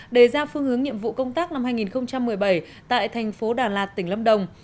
đề ra phương hướng nhiệm vụ công tác năm hai nghìn một mươi bảy tại thành phố đà lạt tỉnh lâm đồng